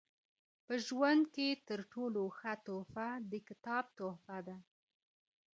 په ژوند کښي تر ټولو ښه تحفه د کتاب تحفه ده.